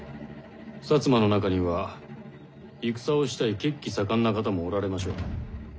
摩の中には戦をしたい血気盛んな方もおられましょう。